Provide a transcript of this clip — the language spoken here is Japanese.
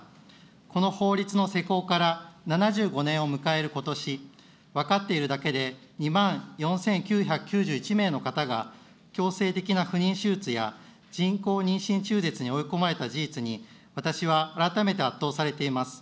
この法律の施行から７５年を迎えることし、分かっているだけで２万４９９１名の方が、強制的な不妊手術や人工妊娠中絶に追い込まれた事実に、私は改めて圧倒されています。